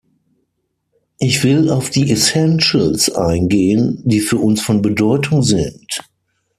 Ich will auf die essentials eingehen, die für uns von Bedeutung sind.